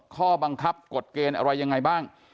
ข้อบังคับกฎเกณฑ์อะไรยังไงบ้าง